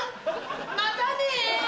またね！